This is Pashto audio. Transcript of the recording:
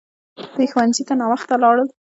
دوی ښوونځي ته ناوخته لاړل!